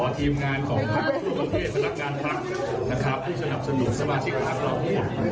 ทีมงานของพักธุรกเทศนักงานพักธุรกฤษนะครับผู้สนับสนุนสมาชิกทางเราทุกคน